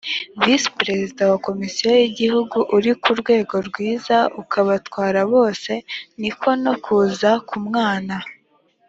visi perezida wa komisiyo y igihugu uri ku rwego rwizaukabatwara bose ni ko no kuza ku umwana